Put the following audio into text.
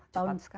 wah cepat sekali